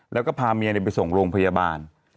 แล้วก็พาเมียไปส่งโรงพยาบาล